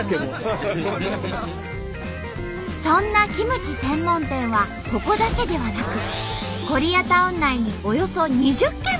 そんなキムチ専門店はここだけではなくコリアタウン内におよそ２０軒もあるんだって。